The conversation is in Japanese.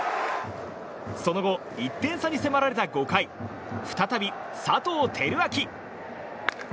その後、１点差に迫られた５回再び、佐藤輝明。